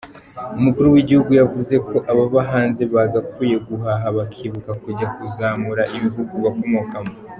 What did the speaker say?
Umukuru w’Igihugu yavuze ko ababa hanze bakwiye guhaha bakibuka kujya kuzamura ibihugu bakomokamo.